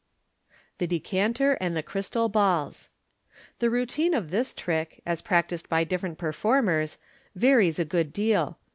Thb Decanter and the Crystal Balls. — The routine of this trick, as practised by different performers, varies a good deal.